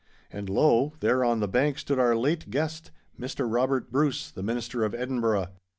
And lo! there on the bank stood our late guest, Maister Robert Bruce, the Minister of Edinburgh.